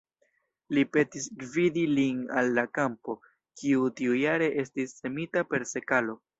Li petis gvidi lin al la kampo, kiu tiujare estis semita per sekalo.